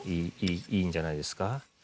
いいんじゃないですか？